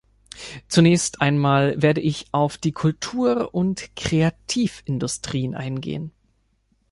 Zunächst einmal werde ich auf die Kultur- und Kreativindustrien eingehen.